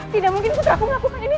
tidak mungkin putri aku melakukan ini